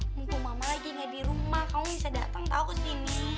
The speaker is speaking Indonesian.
mumpung mama lagi gak di rumah kamu bisa dateng tau kesini